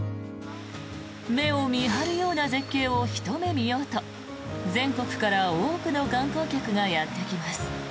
目を見張るような絶景をひと目見ようと全国から多くの観光客がやってきます。